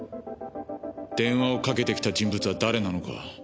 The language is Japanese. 電話をかけてきた人物は誰なのか。